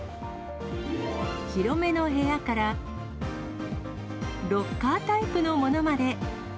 広めの部屋からロッカータイプのものまで。